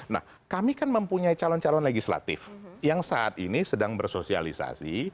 nah kami kan mempunyai calon calon legislatif yang saat ini sedang bersosialisasi